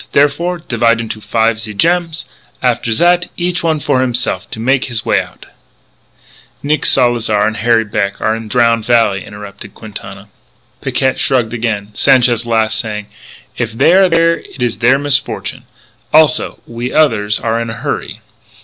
Therefore, divide into five ze gems. After zat, each one for himself to make his way out " "Nick Salzar and Harry Beck are in the Drowned Valley," interrupted Quintana. Picquet shrugged again; Sanchez laughed, saying: "If they are there it is their misfortune. Also, we others are in a hurry."